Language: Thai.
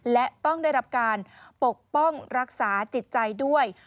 และต้องได้รับการปกป้องรักษาจิตใจด้วย